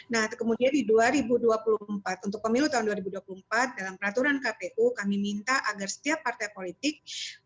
nah kemudian di dua ribu dua puluh empat untuk pemilu tahun dua ribu dua puluh empat dalam peraturan kpu kami minta agar setiap partai politik